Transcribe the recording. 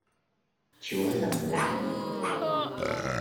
chúa lòng lành